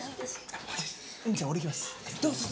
じゃあ俺いきます。